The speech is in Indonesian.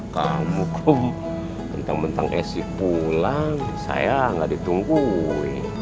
kamu kum bentang bentang esi pulang sayang gak ditungguin